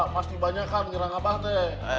pasti banyak kan kira kira apa sih